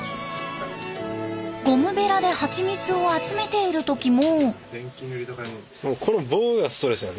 ゴムベラでハチミツを集めている時も。